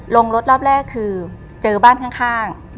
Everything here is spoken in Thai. ลงรถรอบแรกคือเจอบ้านข้าง